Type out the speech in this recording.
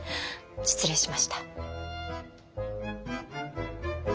失礼しました。